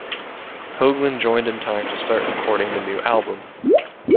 Hoglan joined in time to start recording the new album.